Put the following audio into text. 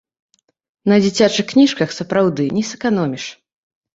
На дзіцячых кніжках, сапраўды, не сэканоміш.